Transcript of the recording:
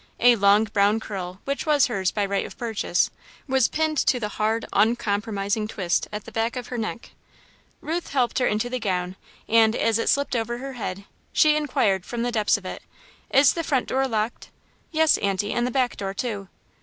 A long brown curl, which was hers by right of purchase, was pinned to the hard, uncompromising twist at the back of her neck. Ruth helped her into the gown and, as it slipped over her head, she inquired, from the depths of it: "Is the front door locked?" "Yes, Aunty, and the back door too."